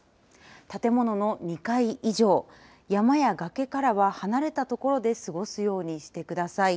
建物の２階以上山や崖からは離れた所で過ごすようにしてください。